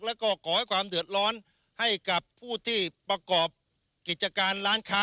แล้วก็ก่อให้ความเดือดร้อนให้กับผู้ที่ประกอบกิจการร้านค้า